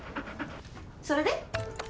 それで？